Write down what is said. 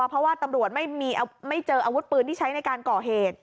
เพราะว่าตำรวจไม่เจออาวุธปืนที่ใช้ในการก่อเหตุ